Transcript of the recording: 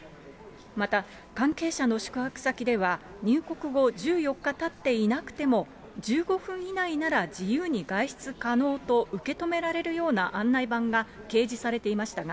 また、関係者の宿泊先では、入国後１４日たっていなくても、１５分以内なら自由に外出可能と受け止められるような案内板が掲示されていましたが、